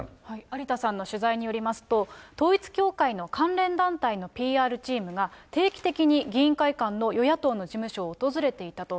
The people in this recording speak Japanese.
有田さんの取材によりますと、統一教会の関連団体のＰＲチームが、定期的に議員会館の与野党の事務所を訪れていたと。